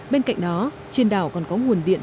bên cạnh đó trên đảo còn có nguồn điện